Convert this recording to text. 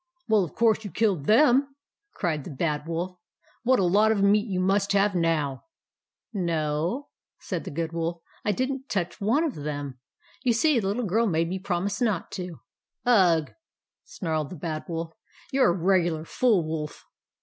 " Well, of course you killed them" cried the Bad Wolf. " What a lot of meat you must have now !" "No," said the Good Wolf, "I didn't touch one of them. You see the Little Girl made me promise not to." " Ugh !" snarled the Bad Wolf. " You 're a regular fool wolf.